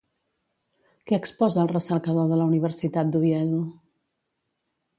Què exposa el recercador de la Universitat d'Oviedo?